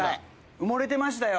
埋もれてましたよ